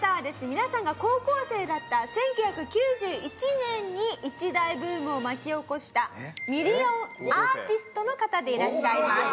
皆さんが高校生だった１９９１年に一大ブームを巻き起こしたミリオンアーティストの方でいらっしゃいます。